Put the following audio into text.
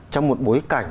trong một bối cảnh